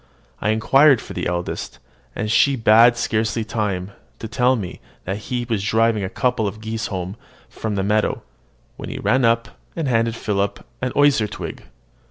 I inquired for the eldest; and she had scarcely time to tell me that he was driving a couple of geese home from the meadow, when he ran up, and handed Philip an osier twig.